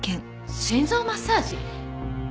心臓マッサージ？